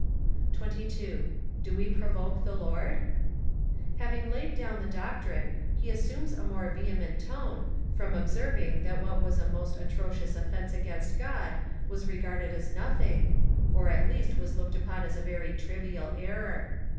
22. Do we 'provoke the Lord ? Having laid down the doctrine, he assumes a more vehement tone, from observing, that what was a most atrocious oifence against God was regarded as nothing, or, at least, was looked upon as a very trivial error.